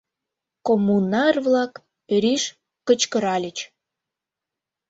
Коммунар-влак рӱж кычкыральыч: